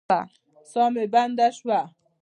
ساه مې بنده شوه.